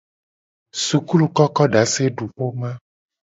Sukulukokodaseduxoma.